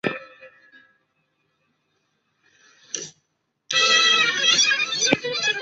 国际翻译工作者联合会